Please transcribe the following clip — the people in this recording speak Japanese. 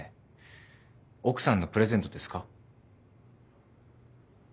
奥さんのプレゼントですか？